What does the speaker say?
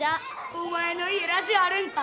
お前の家ラジオあるんか。